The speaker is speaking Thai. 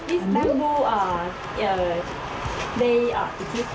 อิสเต็มบูรณ์พวกมันใช้แบบนี้